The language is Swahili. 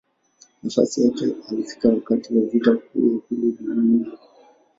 Nafasi yake alifika wakati wa Vita Kuu ya Pili ya Dunia.